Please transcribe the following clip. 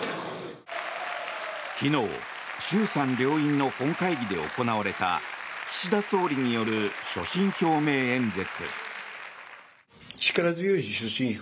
昨日、衆参両院の本会議で行われた岸田総理による所信表明演説。